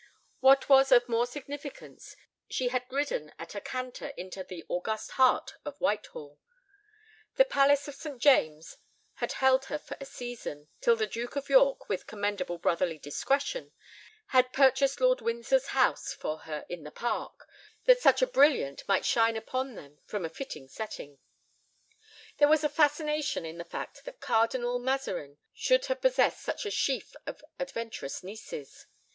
What was of more significance, she had ridden at a canter into the august heart of Whitehall. The palace of St. James had held her for a season, till the Duke of York, with commendable brotherly discretion, had purchased Lord Windsor's house for her in the park, that such a brilliant might shine upon them from a fitting setting. There was a fascination in the fact that Cardinal Mazarin should have possessed such a sheaf of adventurous nieces.